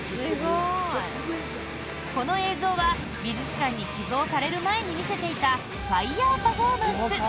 この映像は、美術館に寄贈される前に見せていたファイアパフォーマンス。